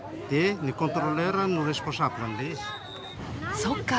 そっか